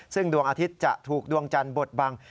ซึ่งดวงอาทิตย์จะถูกดวงจันทร์บดบัง